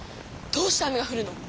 どうして雨がふるの？